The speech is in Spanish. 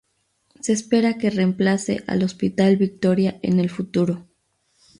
Se espera que reemplace al Hospital Victoria en el futuro.